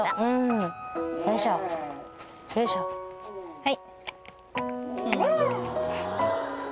はい。